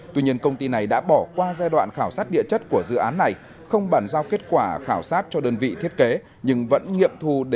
tuy nhiên công ty này đã bỏ qua giai đoạn khảo sát địa chất của dự án này không bản giao kết quả khảo sát cho đơn vị thiết kế